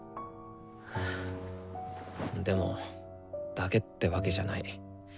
でも「だけ」ってわけじゃない。